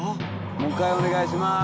もう一回お願いします。